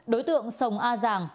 đối tượng sông a giàng